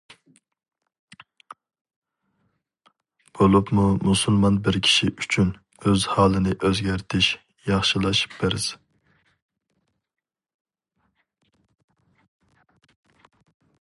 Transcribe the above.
بولۇپمۇ مۇسۇلمان بىر كىشى ئۈچۈن ئۆز ھالىنى ئۆزگەرتىش، ياخشىلاش پەرز.